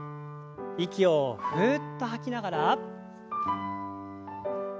息をふっと吐きながら。